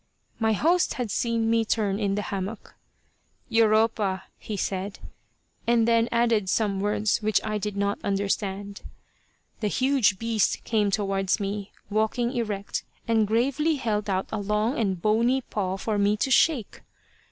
My host had seen me turn in the hammock. "Europa," he said, and then added some words which I did not understand. The huge beast came towards me, walking erect, and gravely held out a long and bony paw for me to shake.